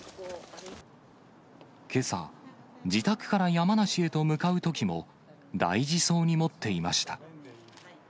けさ、自宅から山梨へと向かうときも、大事そうに持っていました。